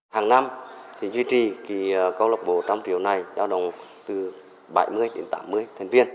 hàng năm thì duy trì cộng lộ bộ một trăm linh triệu này cho đồng từ bảy mươi đến tám mươi thành viên